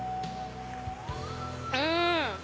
うん！